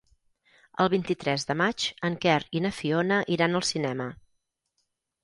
El vint-i-tres de maig en Quer i na Fiona iran al cinema.